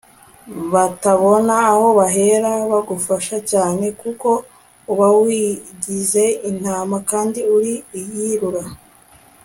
batabona aho bahera bagufasha, cyane ko uba wigize intama kandi uri ikirura